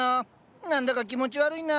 何だか気持ち悪いな。